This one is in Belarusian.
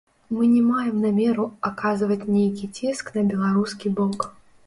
Мы не маем намеру аказваць нейкі ціск на беларускі бок.